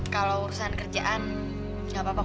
kalau urusan kerjaan gak apa apa kok